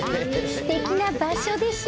すてきな場所でしょ。